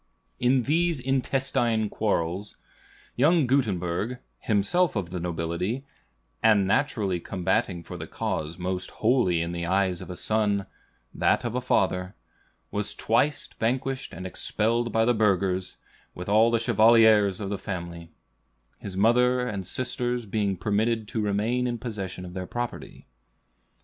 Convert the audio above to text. In these intestine quarrels, young Gutenberg, himself of the nobility, "and naturally combating for the cause most holy in the eyes of a son, that of a father," was twice vanquished and expelled by the burghers, with all the chevaliers of the family, his mother and sisters being permitted to remain in possession of their property.